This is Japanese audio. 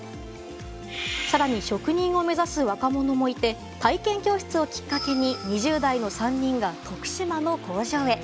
更に職人を目指す若者もいて体験教室をきっかけに２０代の３人が徳島の工場へ。